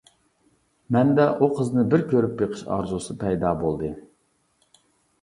مەندە ئۇ قىزنى بىر كۆرۈپ بېقىش ئارزۇسى پەيدا بولدى.